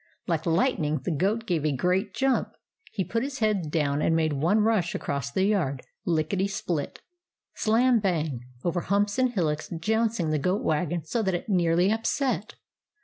Like lightning the goat gave a great jump. He put his head down and made one rush across the yard, lickety split, slam bang, over humps and hillocks, jouncing the goat wagon so that it nearly upset.